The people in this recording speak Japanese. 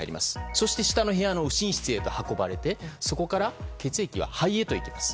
そして下の部屋の右心室に運ばれてそこから血液は肺へと行きます。